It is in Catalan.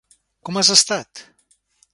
Com has estat?